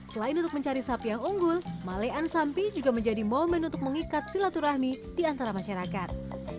selain untuk mencari sapi yang unggul malean sapi juga menjadi momen untuk mengikat silaturahmi di antara masyarakat